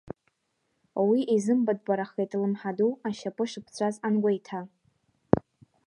Уи изымбатәбарахеит Лымҳаду ашьапы шыԥҵәаз ангәеиҭа.